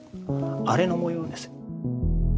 あれの模様です。